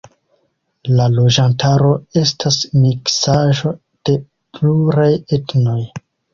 La loĝantaro estas miksaĵo de pluraj etnoj.